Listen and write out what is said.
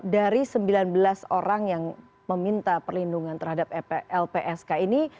dari sembilan belas orang yang meminta perlindungan terhadap lpsk ini